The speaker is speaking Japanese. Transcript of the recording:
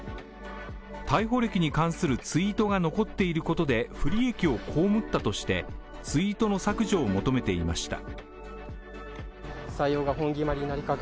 逮捕歴に関するツイートが残っていることで不利益を被ったとしてツイートの削除を求めていました。